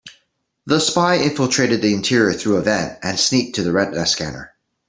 The spy infiltrated the interior through a vent and sneaked to the retina scanner.